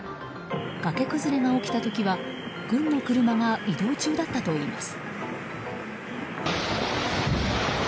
崖崩れが起きた時は軍の車が移動中だったといいます。